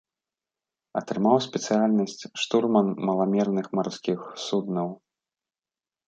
Атрымаў спецыяльнасць штурман маламерных марскіх суднаў.